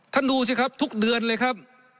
ดูสิครับทุกเดือนเลยครับ